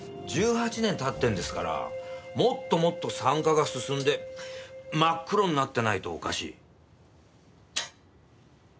１８年経ってるんですからもっともっと酸化が進んで真っ黒になってないとおかしい。